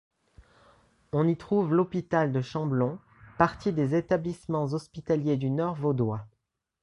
On y trouve l'hôpital de Chamblon, partie des Établissements Hospitaliers du Nord Vaudois.